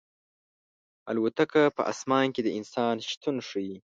الوتکه په اسمان کې د انسان شتون ښيي.